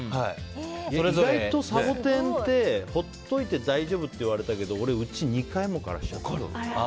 意外とサボテンってほっといて大丈夫って言われたけど俺、うち２回も枯らしちゃった。